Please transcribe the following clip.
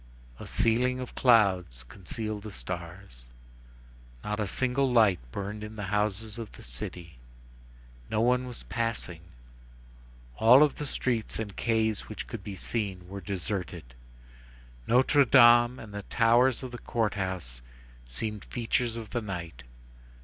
A ceiling of clouds concealed the stars. Not a single light burned in the houses of the city; no one was passing; all of the streets and quays which could be seen were deserted; Notre Dame and the towers of the Court House seemed features of the night.